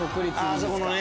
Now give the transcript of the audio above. あそこのね！